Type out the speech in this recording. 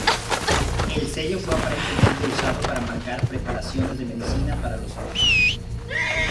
El sello fue aparentemente usado para marcar preparaciones de medicina para los ojos.